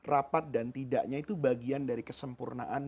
rapat dan tidaknya itu bagian dari kesempurnaan